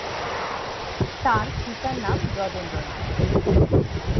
তাঁর পিতার নাম ব্রজেন্দ্রনাথ।